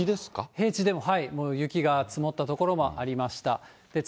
平地でも雪が積もった所もありました。